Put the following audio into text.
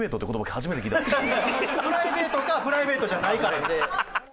プライベートかプライベートじゃないかなんで。